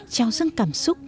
trao dâng cảm xúc